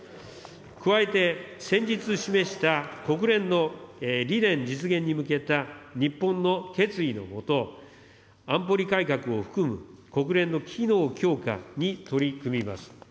加えて、先日示した国連の理念実現に向けた日本の決意の下、安保理改革を含む国連の機能強化に取り組みます。